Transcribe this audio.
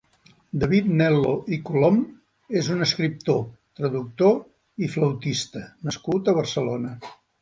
David Nel·lo i Colom és un escriptor, traductor i flautista nascut a Barcelona.